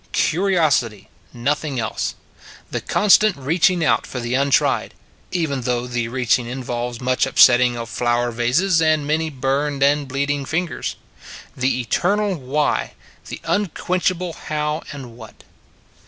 Curiosity nothing else. The con stant reaching out for the untried (even though the reaching involves much up setting of flower vases, and many burned A Great Word Is "Why" 15 and bleeding fingers) , the eternal why: the unquenchable how and what.